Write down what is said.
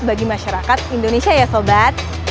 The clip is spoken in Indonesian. bagi masyarakat indonesia ya sobat